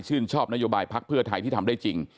ชอบนโยบายพักเพื่อไทยที่ทำได้จริง